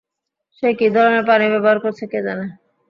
সে কী ধরনের পানি ব্যবহার করছে কে জানে।